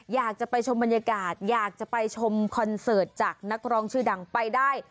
อยากจะไปชมบรรยากาศอยากจะไปชมคอนเสิร์ตจากนักร้องชื่อดังไปได้